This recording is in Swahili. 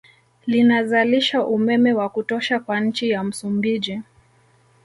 Linazalisha umeme wa kutosha kwa nchi ya Msumbiji